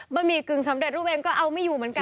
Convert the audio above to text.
หมี่กึ่งสำเร็จรูปเองก็เอาไม่อยู่เหมือนกัน